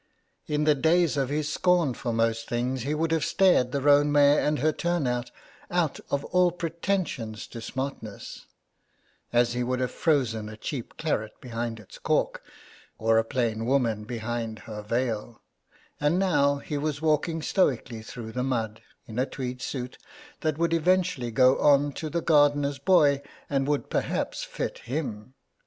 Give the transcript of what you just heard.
In the days of his scorn for most things he would have stared the roan mare and her turn out out of all pretension to smartness, as he would have frozen a cheap claret behind its cork, or a plain woman behind her veil; and now he was walking stoically through the mud, in a tweed suit that would eventually go on to the gardener's boy, and would perhaps fit him.